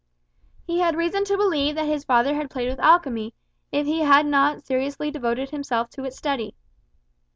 He had reason to believe that his father had played with alchemy, if he had not seriously devoted himself to its study.